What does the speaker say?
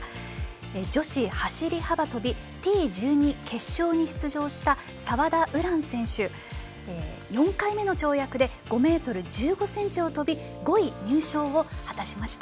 女子走り幅跳びＴ１２の決勝に出場した澤田優蘭選手、４回目の跳躍で５ｍ１５ｃｍを跳び５位入賞を果たしました。